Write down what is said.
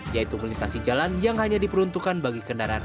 yaitu melintasi jalan yang hanya diperuntukkan bagi kendaraan